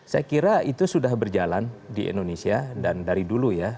saya kira itu sudah berjalan di indonesia dan dari dulu ya